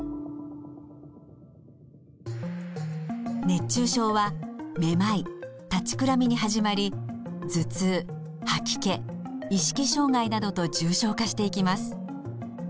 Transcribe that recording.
熱中症はめまい立ちくらみに始まり頭痛吐き気意識障害などと重症化していきます。